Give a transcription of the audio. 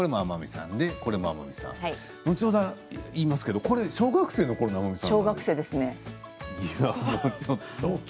後ほど言いますけれども小学生のころの天海さん。